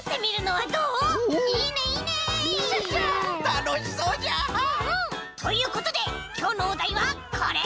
たのしそうじゃ！ということできょうのおだいはこれ！